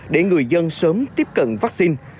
để người dân sớm tiếp cận vaccine